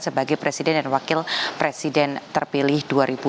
sebagai presiden dan wakil presiden terpilih dua ribu dua puluh